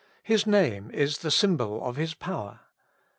His name is the symbol of his power.